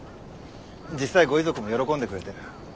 実際ご遺族も喜んでくれてる。